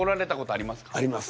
あります。